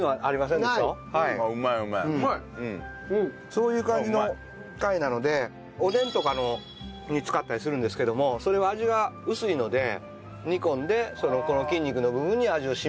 そういう感じの貝なのでおでんとかに使ったりするんですけどもそれは味が薄いので煮込んでこの筋肉の部分に味を染み込ますと。